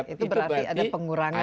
itu berarti ada pengurangan